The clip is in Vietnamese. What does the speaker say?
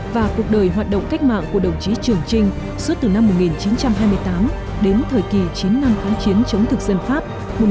và cuộc đời hoạt động cách mạng của đồng chí trường trinh suốt từ năm một nghìn chín trăm hai mươi tám đến thời kỳ chín năm kháng chiến chống thực dân pháp một nghìn chín trăm bốn mươi năm một nghìn chín trăm năm mươi bốn